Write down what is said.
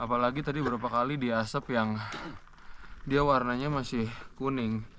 apalagi tadi beberapa kali di asap yang dia warnanya masih kuning